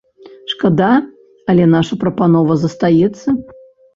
Шкада, але наша прапанова застаецца.